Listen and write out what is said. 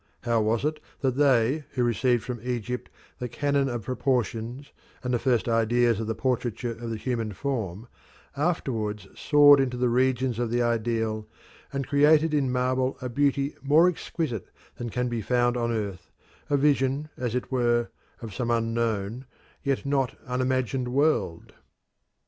How was it that they who received from Egypt the canon of proportions and the first ideas of the portraiture of the human form, afterwards soared into the regions of the ideal, and created in marble a beauty more exquisite than can be found on earth a vision, as it were, of some unknown yet not unimagined world?